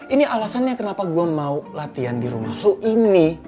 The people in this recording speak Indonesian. ini alasannya kenapa gue mau latihan di rumah lo ini